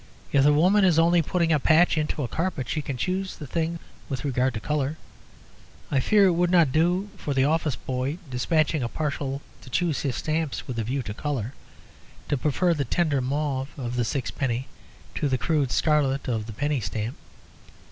If the woman is only putting a patch into a carpet, she can choose the thing with regard to colour. I fear it would not do for the office boy dispatching a parcel to choose his stamps with a view to colour; to prefer the tender mauve of the sixpenny to the crude scarlet of the penny stamp.